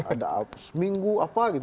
ada seminggu apa gitu